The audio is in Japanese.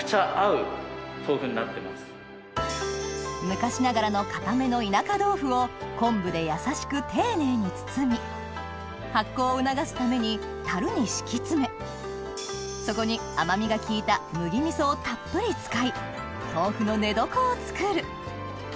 昔ながらの堅めの田舎豆腐を昆布でやさしく丁寧に包み発酵を促すためにたるに敷き詰めそこに甘みが効いた麦味噌をたっぷり使い豆腐の寝床をつくる